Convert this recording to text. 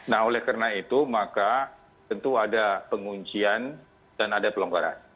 nah oleh karena itu maka tentu ada penguncian dan ada pelonggaran